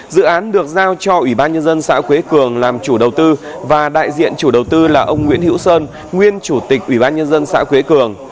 dự án được giao cho ubnd xã quế cường làm chủ đầu tư và đại diện chủ đầu tư là ông nguyễn hữu sơn nguyên chủ tịch ubnd xã quế cường